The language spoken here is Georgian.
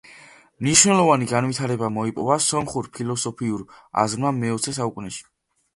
მნიშვნელოვანი განვითარება მოიპოვა სომხურ ფილოსოფიურ აზრმა მეოცე საუკუნეში.